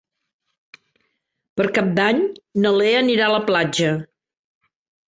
Per Cap d'Any na Lea anirà a la platja.